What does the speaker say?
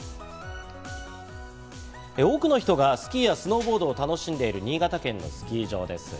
多くの人がスキーやスノーボードを楽しんでいる、新潟県のスキー場です。